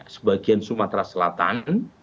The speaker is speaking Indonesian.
sebagian sumatera selatan